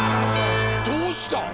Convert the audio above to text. どうした？